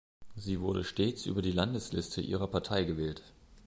Sie wurde stets über die Landesliste ihrer Partei gewählt.